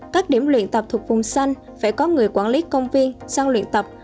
các điểm luyện tập thuộc vùng xanh phải có người quản lý công viên sang luyện tập